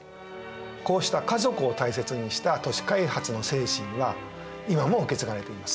こうした家族を大切にした都市開発の精神は今も受け継がれています。